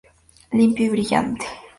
Limpio y brillante.